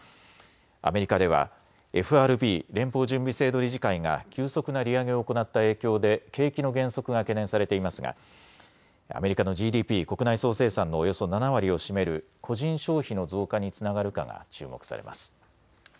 アメリカではＦＲＢ・連邦準備制度理事会が急速な利上げを行った影響で景気の減速が懸念されていますがアメリカのＧＤＰ・国内総生産のおよそ７割を占める個人消費の増加につながるかが注目されます。